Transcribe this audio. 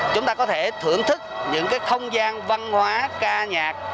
chúng ta có thể thưởng thức những cái không gian văn hóa ca nhạc